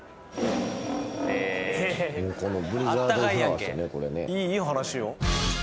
温かいやんけいい話よ